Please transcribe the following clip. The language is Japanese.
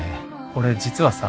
俺実はさ。